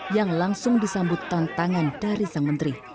yang langsung disambutkan tangan dari sang menteri